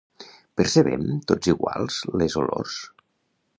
Percebem tots iguals les olors?